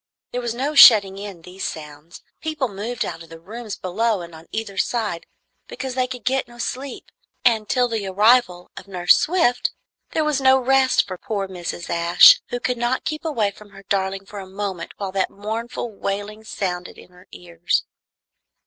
There was no shutting in these sounds. People moved out of the rooms below and on either side, because they could get no sleep; and till the arrival of Nurse Swift, there was no rest for poor Mrs. Ashe, who could not keep away from her darling for a moment while that mournful wailing sounded in her ears.